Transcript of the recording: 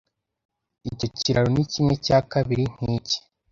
Icyo kiraro ni kimwe cya kabiri nkiki.